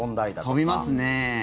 飛びますね。